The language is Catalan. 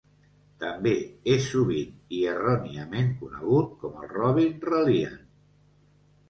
També és sovint, i erròniament, conegut com el "Robin Reliant".